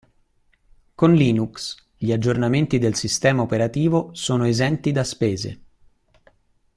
Con Linux gli aggiornamenti del sistema operativo sono esenti da spese.